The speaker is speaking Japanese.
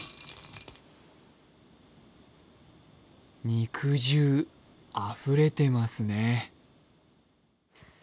肉汁、あふれてますね。